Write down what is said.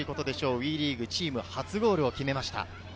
ＷＥリーグチーム初ゴールを決めました。